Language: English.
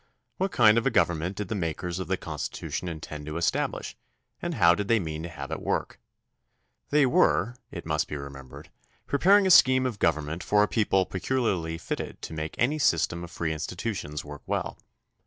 What kind of a government did the makers of the Constitution intend to establish and how did they mean to have it work ? They were, it must be remembered, preparing a scheme of government for a people peculiarly fitted to make any system of free institutions work well.